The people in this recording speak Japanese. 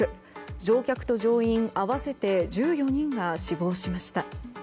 乗客と乗員合わせて１４人が死亡しました。